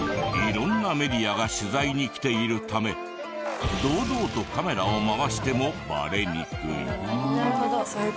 色んなメディアが取材に来ているため堂々とカメラを回してもバレにくい。